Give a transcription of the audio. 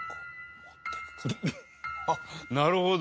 あっなるほど。